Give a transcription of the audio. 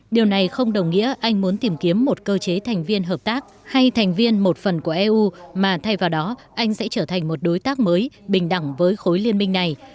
điều này không đồng nghĩa anh muốn tìm kiếm một cơ chế thành viên hợp tác hay thành viên một phần của eu mà thay vào đó anh sẽ trở thành một đối tác mới bình đẳng với khối liên minh này